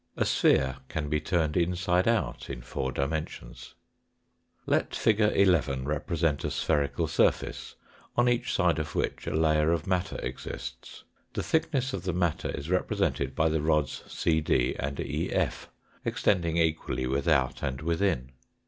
A sphere can be turned inside out in four dimensions. Let fig. 11 represent a spherical surface, on each side of which a layer of matter exists. The thick ness of the matter is rep resented by the rods CD and EF, extending equally with ' out and within.